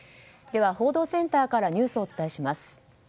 では、報道センターからニュースをお伝えします。